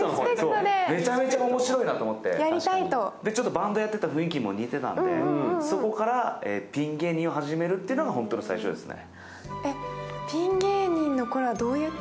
バンドやってた雰囲気も似てたんで、そこからピン芸人を始めるというのが本当の初めですね。